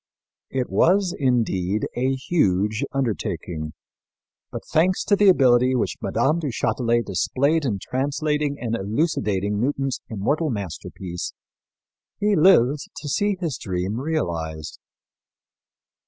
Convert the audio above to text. It was, indeed, a huge undertaking; but, thanks to the ability which Mme. du Châtelet displayed in translating and elucidating Newton's immortal masterpiece, he lived to see his dream realized.